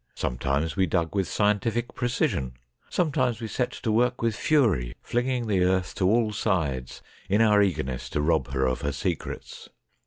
Some times we dug with scientific precision ; some times we set to work with fury, flinging the earth to all sides in our eagerness to rob her of her secrets.